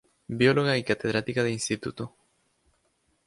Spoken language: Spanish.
Bióloga y Catedrática de Instituto.